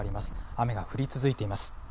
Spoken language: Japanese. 雨が降り続いています。